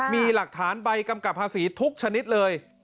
มีหลักฐานใบกำกับภาษีทุกชนิดเลย